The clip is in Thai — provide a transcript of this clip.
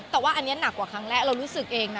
แต่ว่าอันนี้หนักกว่าครั้งแรกเรารู้สึกเองนะ